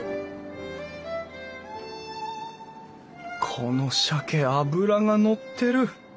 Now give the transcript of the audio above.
このしゃけ脂がのってる！